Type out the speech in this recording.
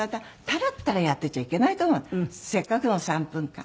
タラッタラやってちゃいけないと思うのせっかくの３分間。